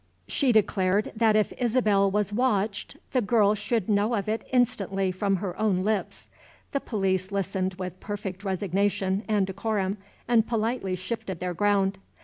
She declared that if Isabel was watched the girl should know of it instantly from her own lips. The police listened with perfect resignation and decorum, and politely shifted their ground.